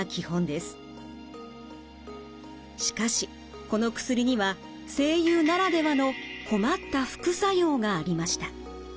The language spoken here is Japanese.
しかしこの薬には声優ならではの困った副作用がありました。